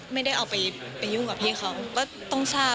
ไม่ได้เอาไปยุ่งกับพี่เขาก็ต้องทราบ